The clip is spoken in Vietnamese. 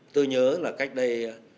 tôi nhớ là cách đây